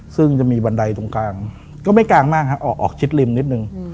ซึ่งจะมีบันไดตรงกลางก็ไม่กลางมากฮะออกชิดริมนิดนึง